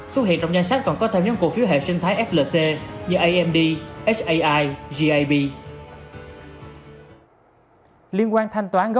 xuất hiện trong danh sách còn có thêm những cổ phiếu hệ sinh thái flc như amd